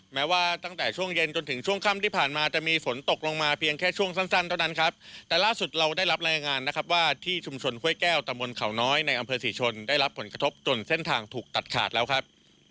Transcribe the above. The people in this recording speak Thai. แม้ว่าตั้งแต่ช่วงเย็นจนถึงช่วงค่ำที่ผ่านมาจะมีฝนตกลงมาเพียงแค่ช่วงสั้นเท่านั้นครับแต่ล่าสุดเราได้รับรายงานนะครับว่าที่ชุมชนห้วยแก้วตะมนต์เขาน้อยในอำเภอศรีชนได้รับผลกระทบจนเส้นทางถูกตัดขาดแล้วครับ